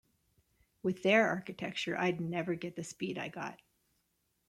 With their architecture I'd never get the speed I got.